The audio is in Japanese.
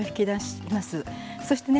そしてね